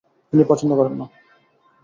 তিনি পছন্দ করেন না।